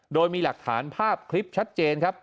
โดยมีหลักฐานภาพคลิปชัดเจนครับ